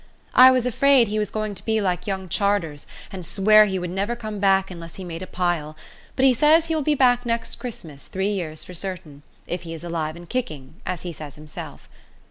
I was afraid he was going to be like young Charters, and swear he would never come back unless he made a pile, but he says he will be back next Christmas three years for certain, if he is alive and kicking, as he says himself.